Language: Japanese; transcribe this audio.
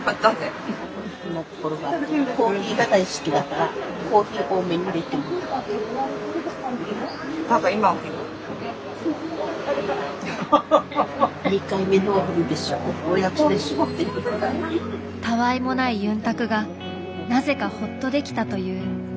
たわいもないゆんたくがなぜかほっとできたという。